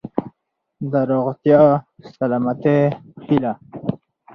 د روغتیا ،سلامتۍ هيله .💡